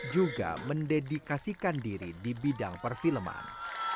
juga mendedikasikan diri di bidang perfilman